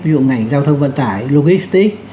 ví dụ ngành giao thông vận tải logistics